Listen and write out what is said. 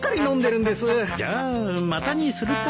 じゃあまたにするか。